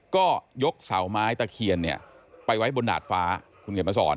ก็ยกเสาไม้ตะเคียนเนี่ยไปไว้บนดาดฟ้าคุณเขียนมาสอน